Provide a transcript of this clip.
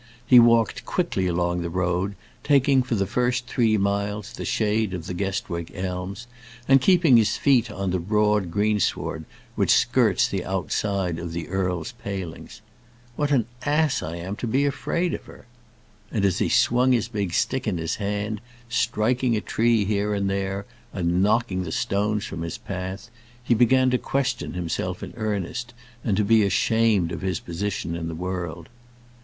He walked quickly along the road, taking for the first three miles the shade of the Guestwick elms, and keeping his feet on the broad greensward which skirts the outside of the earl's palings. "What an ass I am to be afraid of her!" And as he swung his big stick in his hand, striking a tree here and there, and knocking the stones from his path, he began to question himself in earnest, and to be ashamed of his position in the world.